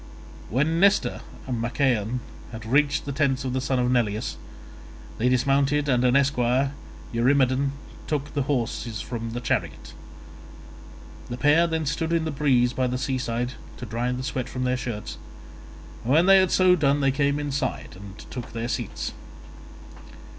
When Nestor and Machaon had reached the tents of the son of Neleus, they dismounted, and an esquire, Eurymedon, took the horses from the chariot. The pair then stood in the breeze by the seaside to dry the sweat from their shirts, and when they had so done they came inside and took their seats.